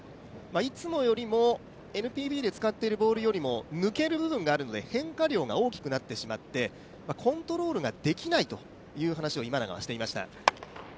いつもよりもＮＰＢで使っているボールよりも抜ける部分があるので変化量が大きくなってしまって、コントロールができないという話を今永はしていました。